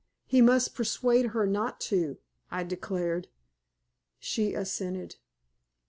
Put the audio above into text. He must persuade her not to," I declared. She assented.